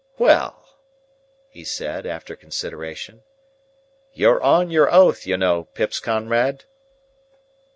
"Well!" he said, after consideration. "You're on your oath, you know, Pip's comrade?"